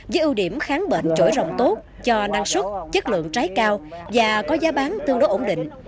với ưu điểm kháng bệnh trỗi rộng tốt cho năng suất chất lượng trái cao và có giá bán tương đối ổn định